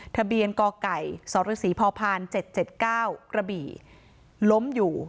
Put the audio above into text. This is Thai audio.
ทะเบียนกไก่สรศรีพพ๗๗๙กระบี่ล้มอยู่